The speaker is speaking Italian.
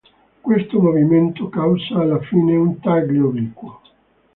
Questo movimento causa alla fine un taglio obliquo.